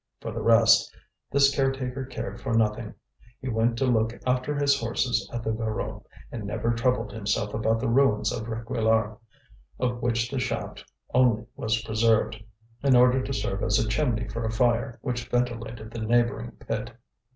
For the rest, this caretaker cared for nothing: he went to look after his horses at the Voreux, and never troubled himself about the ruins of Réquillart, of which the shaft only was preserved, in order to serve as a chimney for a fire which ventilated the neighbouring pit.